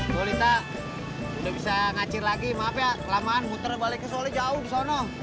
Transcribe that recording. tuh lita udah bisa ngacir lagi maaf ya kelamaan muter baliknya soalnya jauh di sana